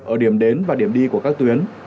ở điểm đến và điểm đi của các tuyến